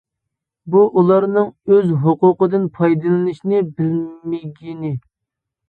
بۇ ئۇلارنىڭ ئۆز ھوقۇقىدىن پايدىلىنىشنى بىلمىگىنى.